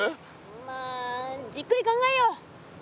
まあじっくり考えよう！